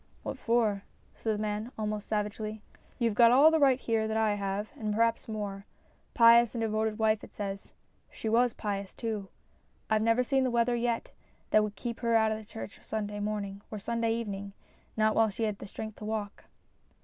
" What for ?" said the man, almost savagely. "You've got all the right here that I have, and perhaps more. Pious and devoted wife it says. She was pious too. I've never seen the weather yet that would keep her out of this church Sunday morning or Sunday evening, not while she had strength to walk."